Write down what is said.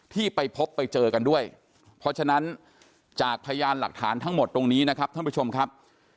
ที่ไปพบไปเจอกันด้วยเพราะฉะนั้นจากพยานหลักฐานทั้งหมดตรงนี้นะครับท่านผู้ชมครับ